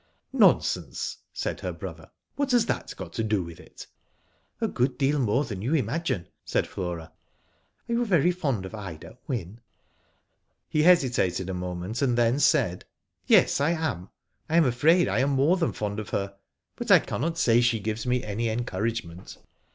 " Nonsense," said her brother. " What has that got to do with it?" "A good deal more than you imagine," said Flora. " Are you very fond of Ida, Wyn ?" He hesif; ated a moment, and then said :" Yes, I am. 1 am afraid I am more than fond of her, but* I cannot say she gives me any encouragement."